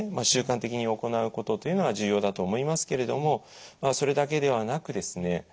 習慣的に行うことというのは重要だと思いますけれどもまあそれだけではなくですね